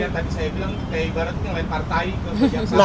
ya itu tadi yang saya bilang kayak ibaratnya ngelain partai ke kejaksaan